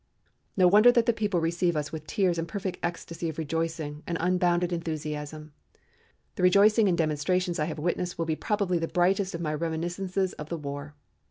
No wonder that the people receive us with tears and perfect ecstasy of rejoicing and unbounded enthusiasm. The rejoicing and demonstrations I have witnessed will be probably the brightest of my reminiscences of the war.